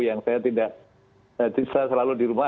yang saya tidak bisa selalu di rumah